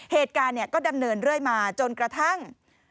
เหตุการณ์ก็ดำเนินเรื่อยมาจนกระทั่ง